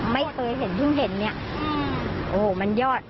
ไม่เคยเห็นเพิ่งเห็นเนี่ยโอ้มันยอด